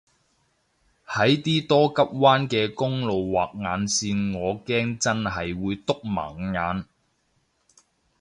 喺啲多急彎嘅公路畫眼線我驚真係會篤盲眼